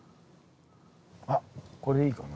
あっこれいいかもな。